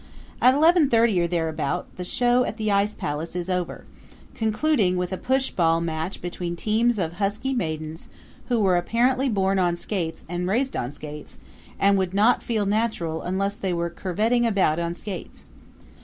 At eleven thirty or thereabout the show at the ice palace is over concluding with a push ball match between teams of husky maidens who were apparently born on skates and raised on skates, and would not feel natural unless they were curveting about on skates.